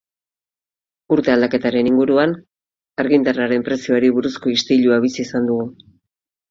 Urte aldaketaren inguruan, argindarraren prezioari buruzko istilua bizi izan dugu.